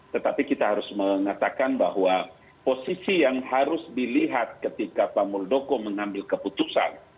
tetapi kita harus mengatakan bahwa posisi yang harus dilihat ketika pak muldoko mengambil keputusan